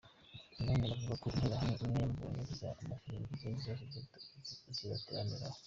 Nyinawumuntu avuga ko interahamwe imwe yababonye ikavuza amafirimbi izindi zose zibateraniraho.